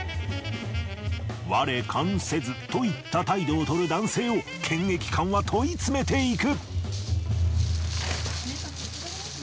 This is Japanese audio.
我関せずといった態度をとる男性を検疫官は問い詰めていく。